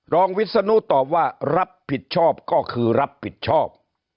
วิศนุตอบว่ารับผิดชอบก็คือรับผิดชอบ